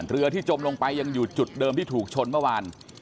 เรือที่จมลงไปยังอยู่จุดเดิมที่ถูกชนเมื่อวาน